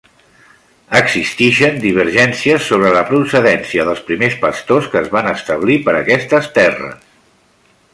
Existixen divergències sobre la procedència dels primers pastors que es van establir per aquestes terres.